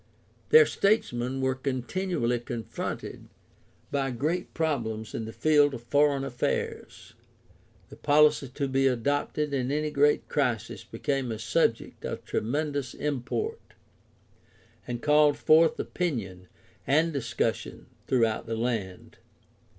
Their statesmen were continually confronted by great problems in the field of foreign affairs. The policy to be adopted in any great crisis became a subject of tremendous import and called forth opinion and discussion throughout the land.